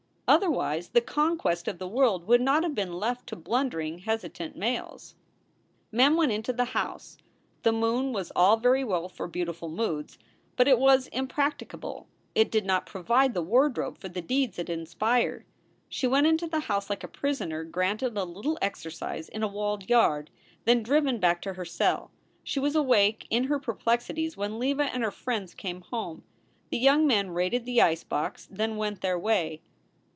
Otherwise the conquest of the world would not have been left to blundering, hesitant males. Mem went into the house. The moon was all very well for beautiful moods, but it was impracticable; it did not pro vide the wardrobe for the deeds it inspired. She went into the house like a prisoner granted a little exercise in a walled yard, then driven back to her cell. She was awake in her perplexities when Leva and her friends came home. The young men raided the ice box, then went their way.